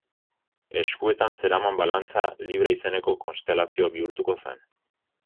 Eskuetan zeraman balantza Libra izeneko konstelazio bihurtuko zen.